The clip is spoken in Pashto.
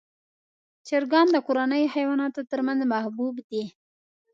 چرګان د کورنیو حیواناتو تر منځ محبوب دي.